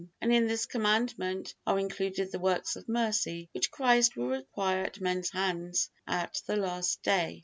And in this Commandment are included the works of mercy, which Christ will require at men's hands at the last day.